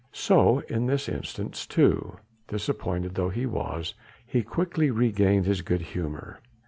So in this instance too disappointed though he was he quickly regained his good humour.